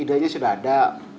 ide sudah ada